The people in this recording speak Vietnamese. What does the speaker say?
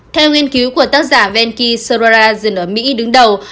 theo nghiên cứu của tác giả venky sorara dừng ở mỹ đứng đầu